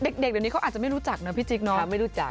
เด็กเดี๋ยวนี้เขาอาจจะไม่รู้จักเนอะพี่จิ๊กเนอะ